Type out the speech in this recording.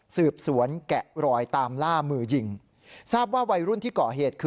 สืบสวนแกะรอยตามล่ามือยิงทราบว่าวัยรุ่นที่ก่อเหตุคือ